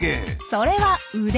それは腕。